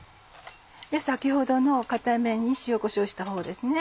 先ほどの片面に塩こしょうしたほうですね。